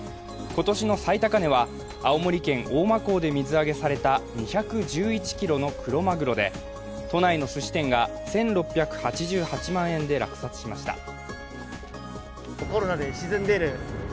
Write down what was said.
今年の最高値は青森県大間港で水揚げされた２１１ｋｇのクロマグロで都内のすし店が１６８８万円で落札しました。